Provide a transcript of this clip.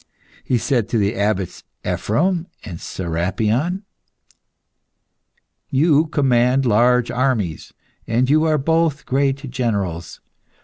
He said to the abbots Ephrem and Serapion "You command large armies, and you are both great generals.